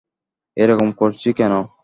এরকম করছি কেন?